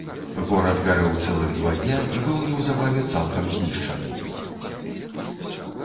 Горад гарэў цэлых два дня і быў неўзабаве цалкам знішчаны.